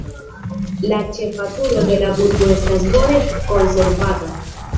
La ĉefa turo de la burgo estas bone konservata.